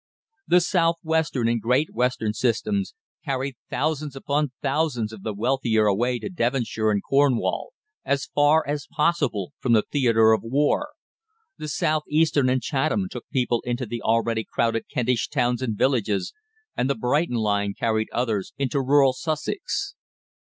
The South Western and Great Western systems carried thousands upon thousands of the wealthier away to Devonshire and Cornwall as far as possible from the theatre of war; the South Eastern and Chatham took people into the already crowded Kentish towns and villages, and the Brighton line carried others into rural Sussex.